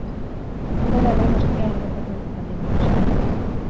Hona hemen ostiral honetako ekitaldi nagusiak.